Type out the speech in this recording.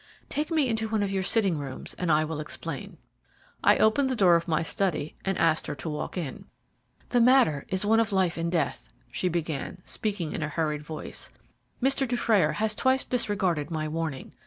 "Take me into one of your sitting rooms, and I will explain." I opened the door of my study and asked her to walk in. "The matter is one of life and death," she began, speaking in a hurried voice. "Mr. Dufrayer has twice disregarded my warning.